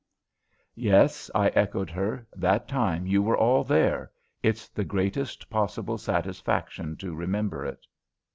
"Yes," I echoed her, "that time you were all there. It's the greatest possible satisfaction to remember it."